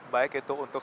baik itu untuk